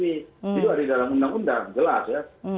itu ada di dalam undang undang jelas ya